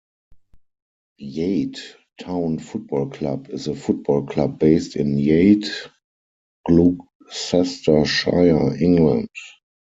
Yate Town Football Club is a football club based in Yate, Gloucestershire, England.